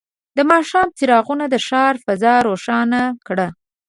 د ماښام څراغونه د ښار فضا روښانه کړه.